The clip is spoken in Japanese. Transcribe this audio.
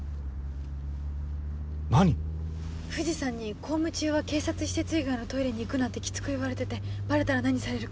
何⁉藤さんに公務中は警察施設以外のトイレに行くなってキツく言われててバレたら何されるか。